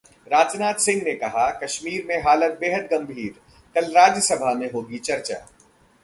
राजनाथ सिंह ने कहा- कश्मीर में हालत बेहद गंभीर, कल राज्यसभा में होगी चर्चा